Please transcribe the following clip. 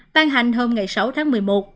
ban hành hôm sáu tháng một mươi một